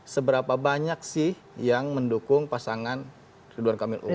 seberapa banyak sih yang mendukung pasangan rinduan kamil uu